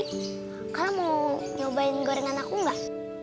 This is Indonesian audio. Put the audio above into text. kalian mau nyobain gorengan aku gak